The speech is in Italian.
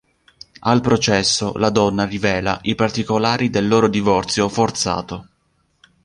Al processo, la donna rivela i particolari del loro divorzio "forzato".